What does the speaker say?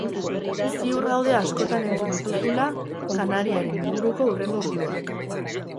Ziur gaude askotan entzun dituzuzla janarien inguruko hurrengo buloak.